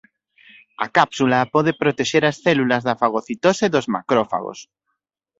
A cápsula pode protexer as células da fagocitose dos macrófagos.